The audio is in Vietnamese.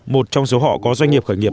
một trong số họ có doanh nghiệp khởi nghiệp